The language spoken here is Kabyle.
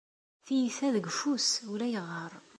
Tiyita deg ufus ulayɣer